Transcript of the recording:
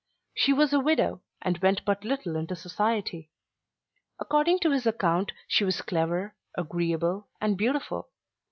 She was a widow, and went but little into society. According to his account she was clever, agreeable, and beautiful.